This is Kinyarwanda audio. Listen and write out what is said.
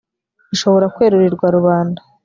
ishobora kwerurirwa rubanda